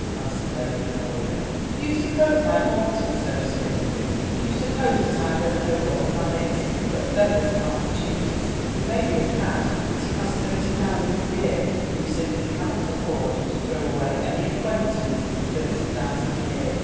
answered Lady Honoria. "Do you suppose I want to associate with him? Do you suppose that I don't know what the man is? But beggars cannot be choosers; he may be a cad, but he has thirty thousand a year, and we simply cannot afford to throw away an acquaintance with thirty thousand a year.